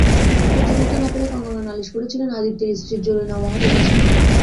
সহ্য করতে না পেরে কঙ্গনা নালিশ করেছিলেন আদিত্যের স্ত্রী জরিনা ওয়াহাবের কাছে।